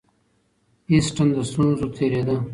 اسټن له ستونزو تېرېده.